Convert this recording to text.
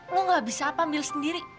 lo gak bisa apa ambil sendiri